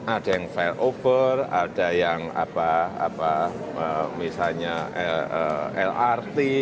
ada yang failover ada yang apa apa misalnya lrt